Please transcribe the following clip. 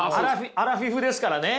アラフィフですからね。